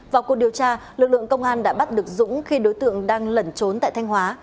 vào cuộc điều tra lực lượng công an đã bắt được dũng khi đối tượng đang lẩn trốn tại thanh hóa